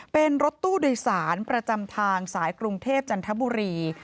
เป็นรถตู้โดยสารประจำทางสายกรุงเทพจันทบุรี